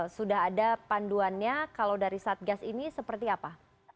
sudah ada panduannya kalau dari satgas ini seperti apa